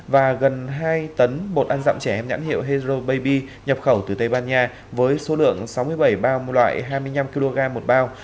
và gần hai tấn bột ăn dặm trẻ em nhãn hiệu hero baibi nhập khẩu từ tây ban nha với số lượng sáu mươi bảy bao loại hai mươi năm kg một bao